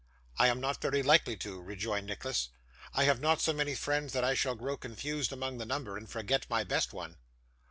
'I am not very likely to,' rejoined Nicholas. 'I have not so many friends that I shall grow confused among the number, and forget my best one.